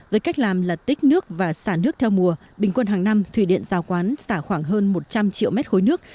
với cách làm là tích nước và xả nước theo mùa bình quân hàng năm thủy điện giao quán xả khoảng hơn một trăm linh triệu mét khối nước